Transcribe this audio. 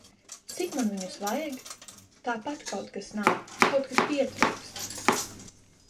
Cik man viņus vajag? Tāpat kaut kas nav, kaut kas pietrūkst.